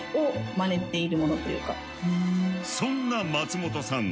そんな松本さん